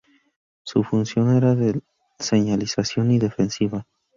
Su función era de señalización y defensiva.